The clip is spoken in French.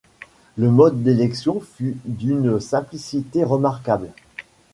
Le mode d'élection fut d'une simplicité remarquable.